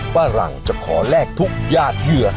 หลังจะขอแลกทุกญาติเหยื่อ